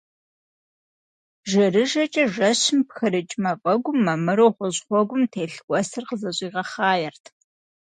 Жэрыжэкӏэ жэщым пхырыкӏ мафӏэгум, мэмыру гъущӏ гъуэгум телъ уэсыр къызэщӏигъэхъаерт.